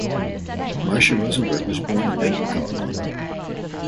Marsha Rosenberg was born in Denver, Colorado.